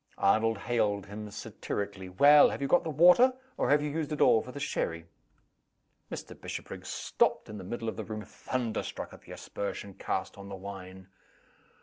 Arnold hailed him satirically. "Well? have you got the water? or have you used it all for the sherry?" Mr. Bishopriggs stopped in the middle of the room, thunder struck at the aspersion cast on the wine.